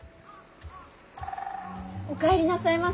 お帰りなさいませ。